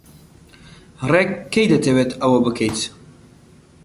ڕێک کەی دەتەوێت ئەوە بکەیت؟